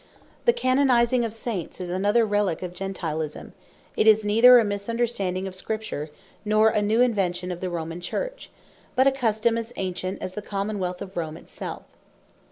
Canonizing Of Saints The Canonizing of Saints, is another Relique of Gentilisme: It is neither a misunderstanding of Scripture, nor a new invention of the Roman Church, but a custome as ancient as the Common wealth of Rome it self.